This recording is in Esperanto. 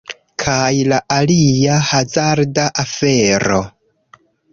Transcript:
Kaj la alia hazarda afero...